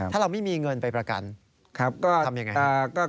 ถ้าเราไม่มีเงินไปประกันครับก็ทำยังไง